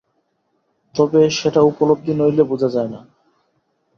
তবে সেটা উপলব্ধি নইলে বোঝা যায় না।